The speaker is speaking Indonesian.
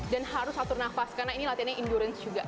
dan harus atur nafas karena ini latihannya endurance juga